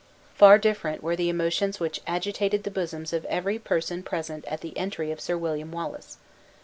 Far different were the emotions which agitated the bosoms of every person present at the entry of Sir William Wallace.